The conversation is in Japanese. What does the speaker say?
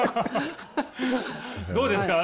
どうですか？